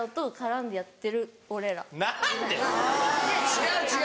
違う違う！